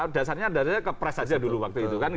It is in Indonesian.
dasarnya kepres aja dulu waktu itu kan